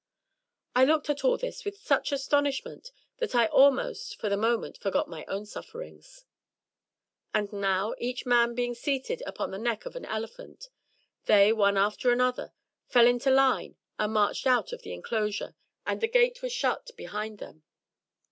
I looked at all this with such astonishment that I almost for the moment forgot my own sufferings. And now, each man being seated upon the neck of an elephant, they, one after another, fell into line and marched out of the enclosure, and the gate was shut behind them.